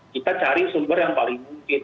kita cari sumber yang paling mungkin